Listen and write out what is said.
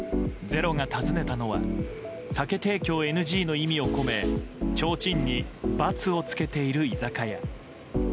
「ｚｅｒｏ」が訪ねたのは酒提供ＮＧの意味を込めちょうちんに×をつけている居酒屋。